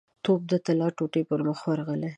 تواب د طلا ټوټې پر مخ ورغلې.